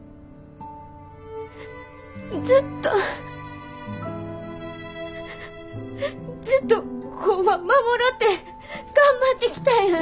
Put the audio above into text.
ずっとずっと工場守ろうって頑張ってきたやん。